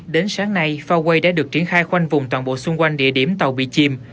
đến sáng nay phao quay đã được triển khai khoanh vùng toàn bộ xung quanh địa điểm tàu bị chìm